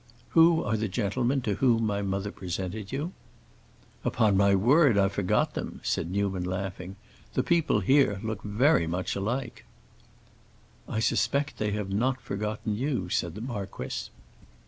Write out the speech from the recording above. "Who are the gentlemen to whom my mother presented you?" "Upon my word, I forgot them," said Newman, laughing. "The people here look very much alike." "I suspect they have not forgotten you," said the marquis.